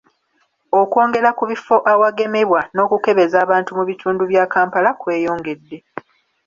Okwongera ku bifo awagemebwa n'okukebeza abantu mu bitundu bya Kampala kweyongedde.